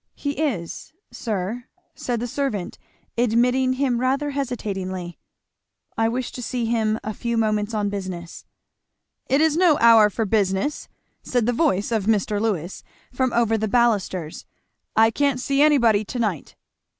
"He is, sir," said the servant admitting him rather hesitatingly. "I wish to see him a few moments on business." "It is no hour for business," said the voice of Mr. Lewis from over the balusters; "I can't see anybody to night."